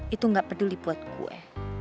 itu gak peduli buat gue